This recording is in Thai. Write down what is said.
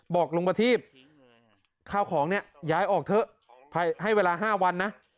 บอกลุงประทีบข้าวของเนี่ยย้ายออกเถอะให้เวลา๕วันนะ